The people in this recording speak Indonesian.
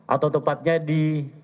atau tepatnya di